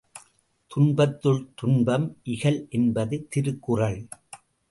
துன்பத்துள் துன்பம் இகல் என்பது திருக்குறள்.